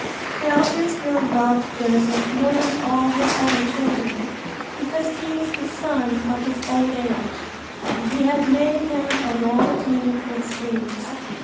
Now Israel loved Joseph more than all his other children, because he was the son of his old age; and he had made him a long tunic with sleeves.